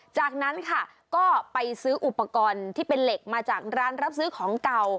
จากนั้นค่ะก็ไปซื้ออุปกรณ์ที่เป็นเหล็กมาจากร้านรับซื้อของเก่า